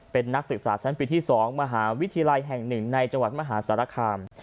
เป็นนักศึกษาชั้นปีที่๒มหาวิทยาลัยแห่ง๑ในจังหวัดมหาสารคาม